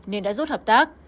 nên đã rút hợp tác